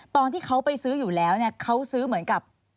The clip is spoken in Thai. ตอนที่เขาไปซื้ออยู่แล้วเนี่ยเขาซื้อเหมือนกับ